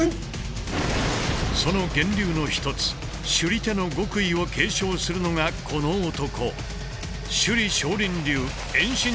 その源流の一つ「首里手」の極意を継承するのがこの男。